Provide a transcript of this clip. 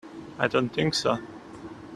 I don't think so.